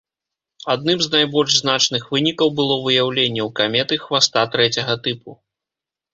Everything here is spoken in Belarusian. Адным з найбольш значных вынікаў было выяўленне ў каметы хваста трэцяга тыпу.